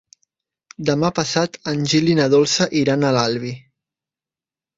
Demà passat en Gil i na Dolça iran a l'Albi.